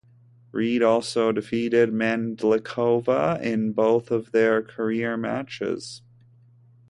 Reid also defeated Mandlikova in both of their career matches.